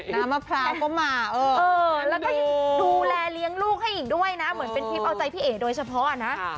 มะพร้าวก็มาแล้วก็ดูแลเลี้ยงลูกให้อีกด้วยนะเหมือนเป็นทริปเอาใจพี่เอ๋โดยเฉพาะนะ